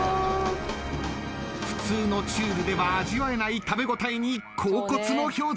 普通のちゅるでは味わえない食べ応えに恍惚の表情。